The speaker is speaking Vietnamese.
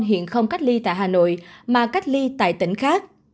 hiện không cách ly tại hà nội mà cách ly tại tỉnh khác